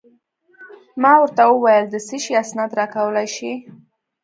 ما ورته وویل: د څه شي اسناد راکولای شې؟